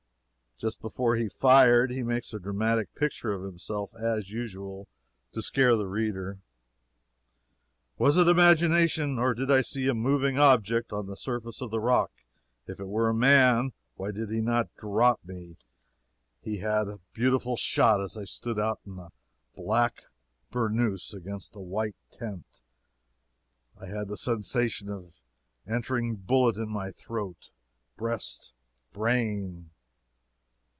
Just before he fired, he makes a dramatic picture of himself as usual, to scare the reader: "Was it imagination, or did I see a moving object on the surface of the rock? If it were a man, why did he not now drop me? He had a beautiful shot as I stood out in my black boornoose against the white tent. I had the sensation of an entering bullet in my throat, breast, brain."